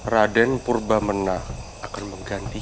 raden purba menang akan menggantikan